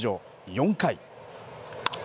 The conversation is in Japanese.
４回。